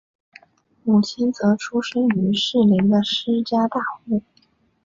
母亲则出身于士林的施家大户。